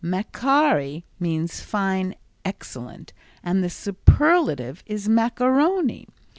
"Macari" means "fine, excellent," and the superlative is "macaroni."